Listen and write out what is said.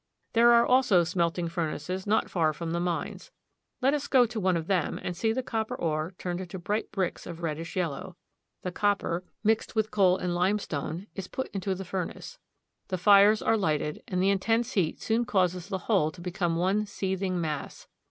There are also smelting furnaces not far from the mines. Let us go to one of them and see the copper ore turned into bright bricks of reddish yellow. The copper, mixed with CARP. N. AM. — 12 1 84 THE GREAT LAKES. coal and limestone, is put into the furnace. The fires are lighted, and the intense heat soon causes the whole to be come one seething mass.